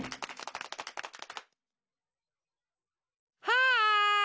はい！